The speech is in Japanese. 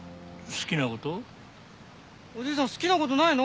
おじいさん好きなことないの？